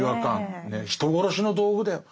人殺しの道具だよ。